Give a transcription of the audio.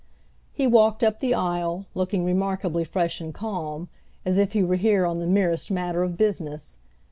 He walked up the aisle, looking remarkably fresh and calm, as if he were here on the merest matter of business.